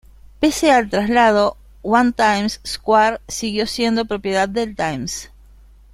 Pese al traslado, One Times Square siguió siendo propiedad del "Times".